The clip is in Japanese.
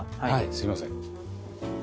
はいすいません。